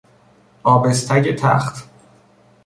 آبستگ تخت